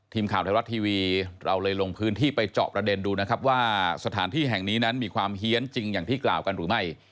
ทีมข่าวไทยรัฐทีวีเราเลยลงพื้นที่ไปเจาะประเด็นดูนะครับว่าสถานที่แห่งนี้นั้นมีความเฮียนจริงอย่างที่กล่าวกันหรือไม่